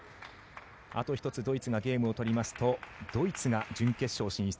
あと１つドイツがゲームを取りますとドイツが準決勝進出。